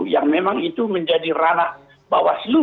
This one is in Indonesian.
yang memang itu menjadi ranah bawaslu